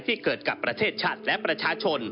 ก็ได้มีการอภิปรายในภาคของท่านประธานที่กรกครับ